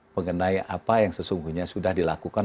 mengenai apa yang sesungguhnya sudah dilakukan